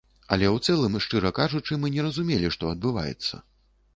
Але ў цэлым, шчыра кажучы, мы не разумелі, што адбываецца.